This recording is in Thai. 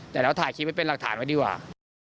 แต่เราถ่ายคลิปไว้เป็นหลักฐานไว้ดีกว่า